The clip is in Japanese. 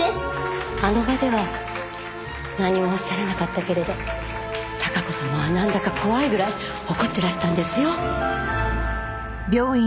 あの場では何もおっしゃらなかったけれど孝子様はなんだか怖いぐらい怒ってらしたんですよ。